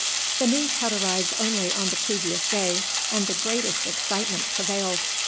The news had arrived only on the previous day, and the greatest excitement prevailed.